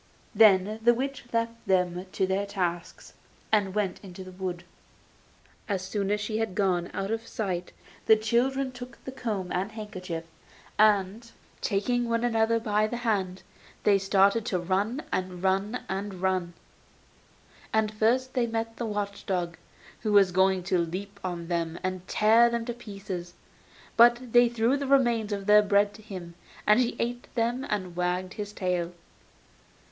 Then the witch left them to their tasks, and went out into the wood. As soon as she had gone out of sight the children took the comb and the handkerchief, and, taking one another by the hand, they started and ran, and ran, and ran. And first they met the watch dog, who was going to leap on them and tear them to pieces; but they threw the remains of their bread to him, and he ate them and wagged his tail.